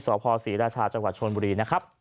พศรีราชาจังหวัดชนบุรีนะครับ